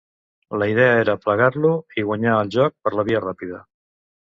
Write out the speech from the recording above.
La idea era plegar-lo i guanyar el joc per la via ràpida.